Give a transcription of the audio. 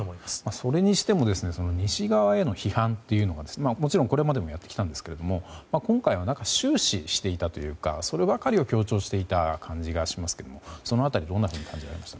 それにしても西側への批判というのはもちろん、これまでもやってきたんですけれどもそれに今回は終始していたというかそればかりを強調していた感じがしますがその辺り、どんなふうに感じられますか？